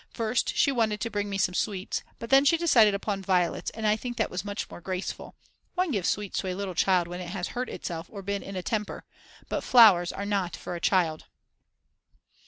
First she wanted to bring me some sweets, but then she decided upon violets, and I think that was much more graceful. One gives sweets to a little child when it has hurt itself or been in a temper. But flowers are not for a child.